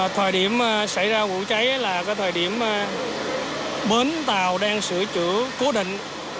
thời điểm xảy ra vụ cháy là thời điểm bến tàu đang sửa chữa cố định